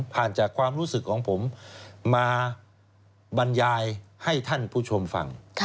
จากความรู้สึกของผมมาบรรยายให้ท่านผู้ชมฟัง